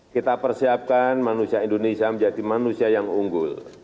kita persiapkan manusia indonesia menjadi manusia yang unggul